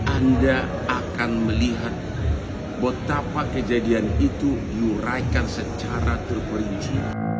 anda akan melihat betapa kejadian itu diuraikan secara terperinci